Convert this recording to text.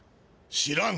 知らん。